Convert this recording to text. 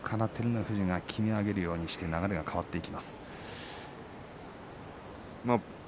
ここから照ノ富士がきめ上げるようにして流れが変わっていきます。